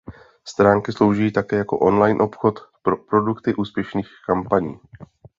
Stránky slouží také jako online obchod pro produkty úspěšných kampaní.